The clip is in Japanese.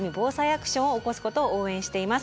アクションを起こすことを応援しています。